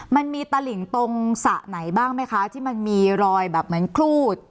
มันมีตลิ่งตรงสระไหนบ้างไหมคะที่มันมีรอยแบบเหมือนครูด